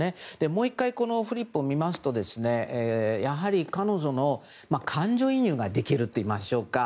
もう１回フリップを見ますとやはり、彼女に感情移入ができるといいましょうか。